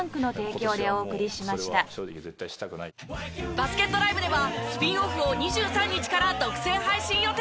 バスケットＬＩＶＥではスピンオフを２３日から独占配信予定。